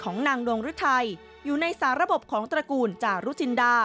นางดวงฤทัยอยู่ในสาระบบของตระกูลจารุจินดา